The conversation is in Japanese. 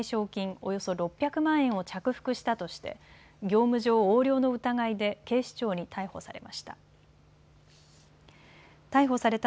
およそ６００万円を着服したとして業務上横領の疑いで警視庁に逮捕されました。